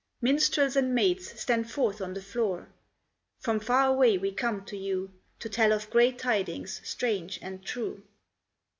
Minstrels and maids, stand forth on the floor. From far away we come to you, To tell of great tidings, strange and true.